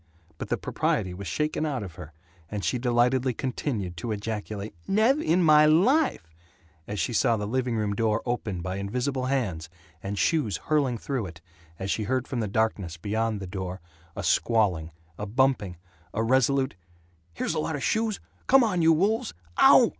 But the propriety was shaken out of her, and she delightedly continued to ejaculate "Nev' in my LIFE" as she saw the living room door opened by invisible hands and shoes hurling through it, as she heard from the darkness beyond the door a squawling, a bumping, a resolute "Here's a lot of shoes. Come on, you wolves. Ow!